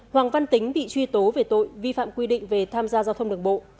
hoàng văn tính bị truy tố về tội vi phạm quy định về tham gia giao thông đường bộ